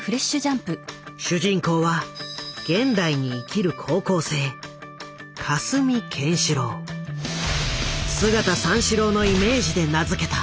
主人公は現代に生きる高校生「姿三四郎」のイメージで名付けた。